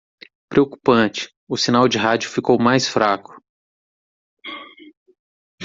Preocupante, o sinal de rádio ficou mais fraco.